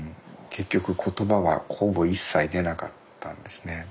結局言葉はほぼ一切出なかったんですね。